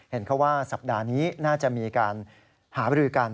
เข้าว่าสัปดาห์นี้น่าจะมีการหาบรือกัน